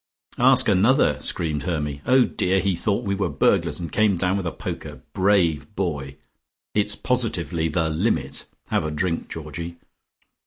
"Ask another!" screamed Hermy. "Oh, dear, he thought we were burglars, and came down with a poker, brave boy! It's positively the limit. Have a drink, Georgie."